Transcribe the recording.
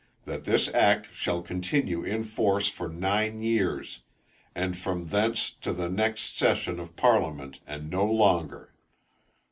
That this act shall continue in force for nine years, and from thence to the next session of parliament, and no longer."